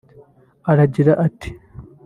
Aragira ati